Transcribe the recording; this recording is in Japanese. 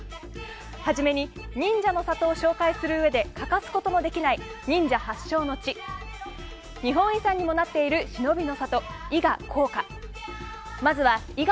初めに忍者の里を紹介するうえで欠かすことのできない忍者発祥の地日本遺産にもなっている忍びの里、伊賀、甲賀。